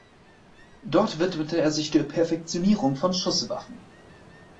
Dort widmete er sich der Perfektionierung von Schusswaffen.